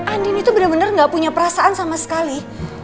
andin itu bener bener gak punya perasaan sama sekali